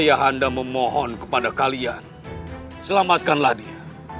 ayah anda memohon kepada kalian selamatkanlah dia